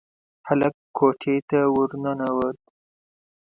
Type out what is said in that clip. هلک کوټې ته ورننوت.